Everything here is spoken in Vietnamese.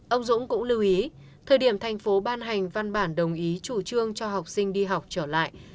ông dũng cũng lưu ý thời điểm thành phố ban hành văn bản đồng ý chủ trương cho học sinh đi học trở lại